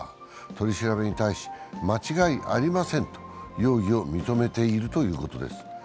取り調べに対し、間違いありませんと容疑を認めているということです。